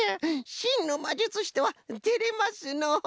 しんのまじゅつしとはてれますのう。